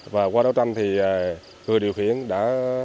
và qua đấu tranh thì người điều khiển đã